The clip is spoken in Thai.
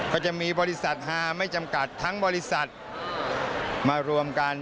ก็จะมีบริษัทฮาไม่จำกัดทั้งบริษัทมารวมกัน